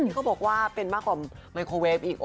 เขาบอกว่าเป็นมากกว่าไมโครเวฟอีก